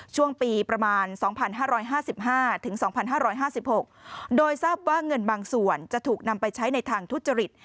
ช่วงปีประมาณ๒๕๕๕๒๕๕๖โดยทราบว่าเงินบางส่วนจะถูกนำไปใช้ในทางทุจริต